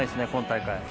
今大会。